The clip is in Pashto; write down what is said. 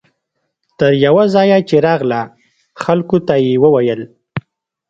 تر یوه ځایه چې راغله خلکو ته یې وویل.